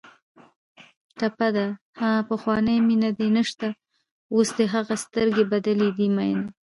ټپه ده: ها پخوانۍ مینه دې نشته اوس دې هغه سترګې بدلې دي مینه